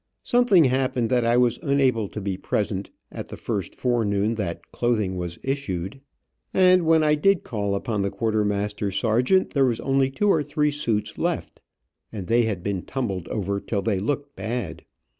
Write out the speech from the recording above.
Something happened that I was unable to be present the first forenoon that clothing was issued, and, when I did call upon the quartermaster sergeant, there was only two or three suits left, and they had been tumbled over till they looked bad.